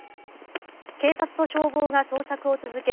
警察と消防が捜索を続け